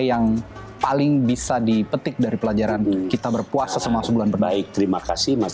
yang paling bisa dipetik dari pelajaran kita berpuasa semang sebulan berbaik terima kasih mas